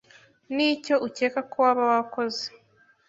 n’icyo ukeka ko waba wakoze